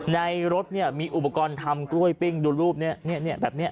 ในรถมีอุปกรณ์ทำกล้วยปิ้งดูรูปแบบนี้